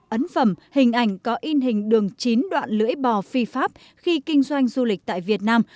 ấn phẩm hình ảnh có in hình đường chín đoạn lưỡi bò phi pháp khi kinh doanh du lịch tại việt nam